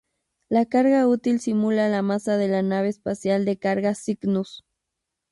La carga útil simula la masa de la nave espacial de carga Cygnus.